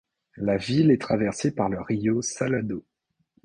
La ville est traversée par le rio Salado.